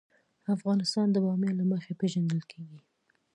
افغانستان د بامیان له مخې پېژندل کېږي.